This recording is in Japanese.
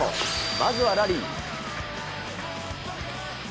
まずはラリー。